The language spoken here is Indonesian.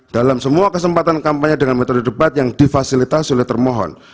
dalam semua kesempatan kampanye dengan metode debat yang difasilitasi oleh termohon